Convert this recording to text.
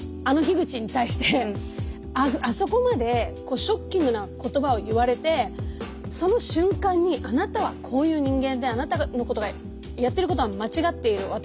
あの樋口に対してあそこまでショッキングな言葉を言われてその瞬間にあなたはこういう人間であなたのやってることは間違っている。